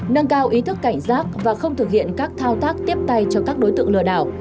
nâng cao ý thức cảnh giác và không thực hiện các thao tác tiếp tay cho các đối tượng lừa đảo